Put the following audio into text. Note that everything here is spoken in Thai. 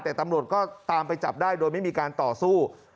แต่ตำรวจก็ตามไปจับได้โดยไม่มีการต่อสู้